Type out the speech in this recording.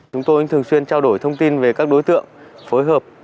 chúng tôi thường xuyên trao đổi thông tin về các đối tượng phối hợp